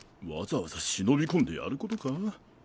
わざわざ忍び込んでやることか？